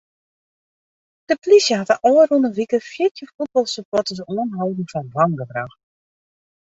De plysje hat de ôfrûne wike fjirtjin fuotbalsupporters oanholden foar wangedrach.